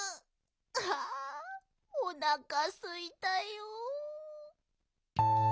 ああおなかすいたよ。